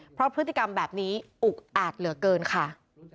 เพราะพฤติกรรมแบบนี้อุกอาจเหลือเกินค่ะ